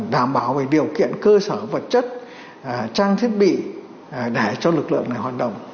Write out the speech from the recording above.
đảm bảo về điều kiện cơ sở vật chất trang thiết bị để cho lực lượng này hoạt động